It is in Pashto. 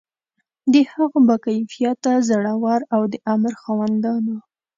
د هغو با کفایته، زړه ور او د امر خاوندانو.